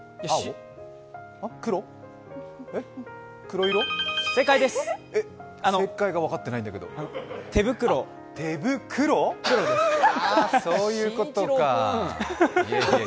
黒？え、正解が分かってないんだけどてぶくろ、そういうことかぁ。